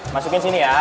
masukin sini ya